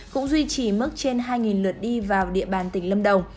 cũng duy trì mức trên hai lượt đi vào địa bàn tỉnh lâm đồng